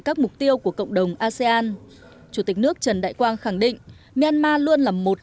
các mục tiêu của cộng đồng asean chủ tịch nước trần đại quang khẳng định myanmar luôn là một